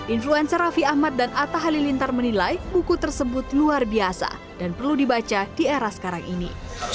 influencer raffi ahmad dan atta halilintar menilai buku tersebut luar biasa dan perlu dibaca di era sekarang ini